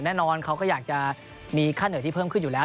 แน่นอนเขาก็อยากจะมีค่าเหนื่อยที่เพิ่มขึ้นอยู่แล้ว